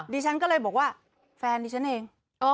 ดิฉันก็เลยบอกว่าแฟนดิฉันเอง